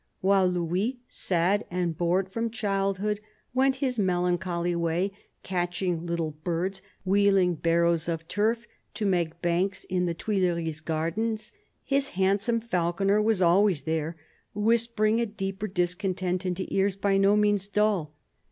While Louis, sad and bored from childhood, went his melancholy way, catching little birds, wheeling barrows of turf to make banks in the Tuileries gardens, his handsome falconer was always there, whispering a deeper discontent into ears by no means dull.